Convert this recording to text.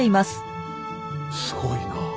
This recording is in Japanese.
すごいな。